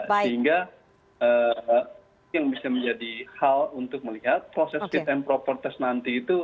sehingga yang bisa menjadi hal untuk melihat proses fit and proper test nanti itu